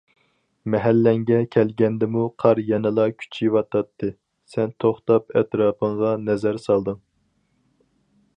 مەھەللەڭگە كەلگەندىمۇ قار يەنىلا كۈچىيىۋاتاتتى، سەن توختاپ ئەتراپىڭغا نەزەر سالدىڭ.